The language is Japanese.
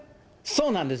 そうなんです。